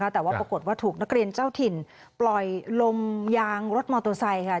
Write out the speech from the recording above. แต่ว่าปรากฏว่าถูกนักเรียนเจ้าถิ่นปล่อยลมยางรถมอเตอร์ไซค์ค่ะ